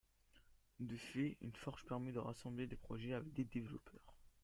De fait, une forge permet de rassembler des projets et des développeurs.